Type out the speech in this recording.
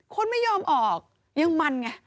คนไม่ยอมออกยังมันไง